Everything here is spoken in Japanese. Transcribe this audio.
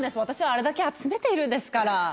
私はあれだけ集めているんですから。